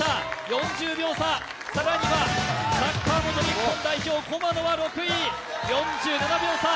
４０秒差、さらにはサッカー元日本代表、駒野は６位、４７秒差。